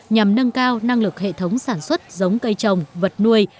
nhằm nâng cao năng lực hệ thống sản xuất giống cây trồng vật nuôi